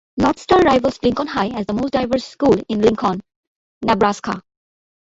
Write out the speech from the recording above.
North Star rivals Lincoln High as the most diverse school in Lincoln, Nebraska.